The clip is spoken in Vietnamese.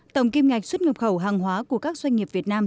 tổng kim ngạch xuất nhập khẩu hàng hóa của các doanh nghiệp việt nam